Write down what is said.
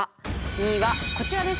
２位はこちらです！